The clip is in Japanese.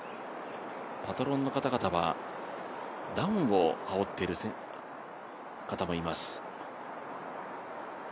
パトロンの方々はダウンを羽織っている方もいます。